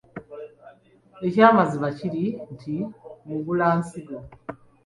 Ekyamazima kiri nti Mugulasigo.